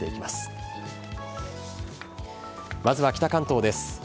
まずは北関東です。